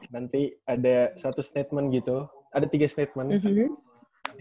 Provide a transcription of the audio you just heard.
nanti ada satu statement gitu ada tiga statement